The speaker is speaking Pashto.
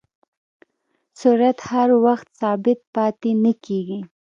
سرعت هر وخت ثابت پاتې نه کېږي.